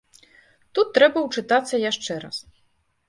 Тут трэба ўчытацца яшчэ раз.